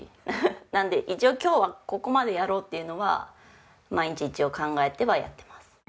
なので一応今日はここまでやろうっていうのは毎日一応考えてはやってます。